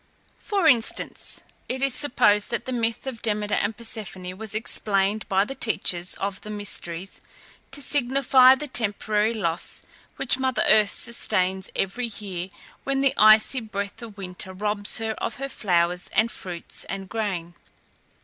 For instance, it is supposed that the myth of Demeter and Persephone was explained by the teachers of the Mysteries to signify the temporary loss which mother earth sustains every year when the icy breath of winter robs her of her flowers and fruits and grain.